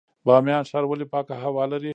بامیان ښار ولې پاکه هوا لري؟